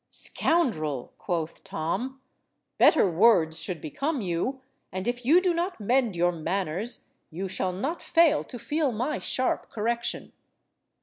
"Scoundrel!" quoth Tom, "better words should become you, and if you do not mend your manners you shall not fail to feel my sharp correction."